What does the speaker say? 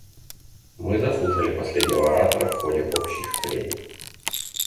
Мы заслушали последнего оратора в ходе общих прений.